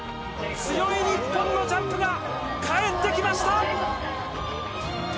強い日本のジャンプが帰ってきました！